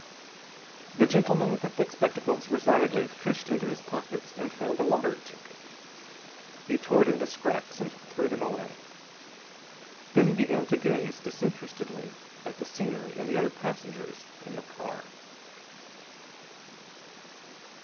The gentleman with the thick spectacles resignedly fished into his pockets and found a lottery ticket. He tore it into scraps and threw them away. Then he began to gaze disinterestedly at the scenery and the other passengers in the car.